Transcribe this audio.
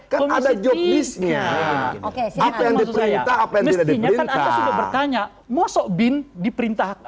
keadaan joknisnya oke itu yang diperintahkan diperintahkan bertanya masuk bin diperintahkan